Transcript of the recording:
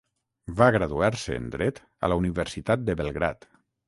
Va graduar-se en dret a la Universitat de Belgrad.